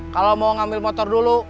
kalau mau ngambil motor dulu